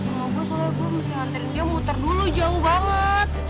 semoga semoga soalnya gue mesti nganterin dia muter dulu jauh banget